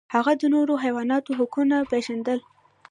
هغه د نورو حیواناتو حقونه پیژندل.